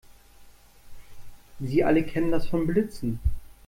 Sie alle kennen das von Blitzen.